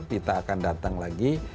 dita akan datang lagi